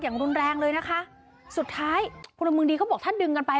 อย่างรุนแรงเลยนะคะสุดท้ายพลเมืองดีเขาบอกถ้าดึงกันไป